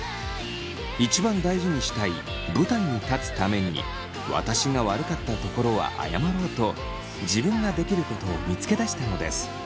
一番大事にしたい舞台に立つために私が悪かったところは謝ろうと自分ができることを見つけ出したのです。